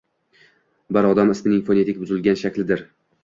Bir odam ismining fonetik buzilgan shaklidir